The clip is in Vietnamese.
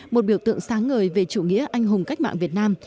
một biểu tượng sáng ngời về chủ nghĩa anh hùng cách mạng việt nam